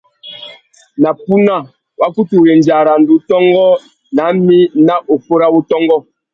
Na puna, wa kutu rendza aranda-utôngô ná mí nà ukú râ wutôngô.